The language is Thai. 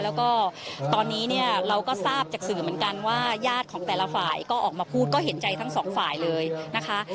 แล้วก็ตอนนี้เนี่ยเราก็ทราบจากสื่อเหมือนกันว่าญาติของแต่ละฝ่ายก็ออกมาพูดก็เห็นใจทั้งสองฝ่ายเลยนะคะ